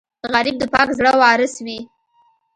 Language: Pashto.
غریب د پاک زړه وارث وي